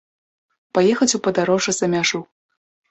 Паехаць у падарожжа за мяжу.